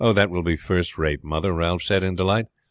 "That will be first rate, mother," Ralph said in delight.